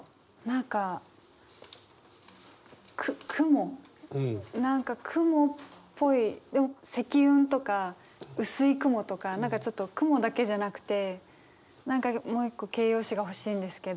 何か何か雲っぽいでも積雲とか薄い雲とか何かちょっと雲だけじゃなくて何かもう一個形容詞が欲しいんですけど。